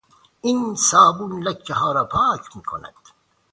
این صابون لکهها را پاک میکند.